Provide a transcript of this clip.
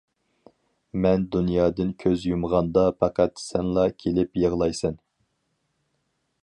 مەن دۇنيادىن كۆز يۇمغاندا پەقەت سەنلا كېلىپ يىغلايسەن.